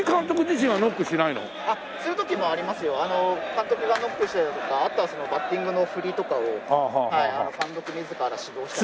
監督がノックしてだとかあとはバッティングの振りとかを監督自ら指導したりとか。